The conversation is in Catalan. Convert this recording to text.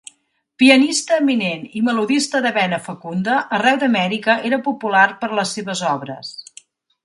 Pianista eminent i melodista de vena fecunda, arreu d'Amèrica era popular per les seves obres.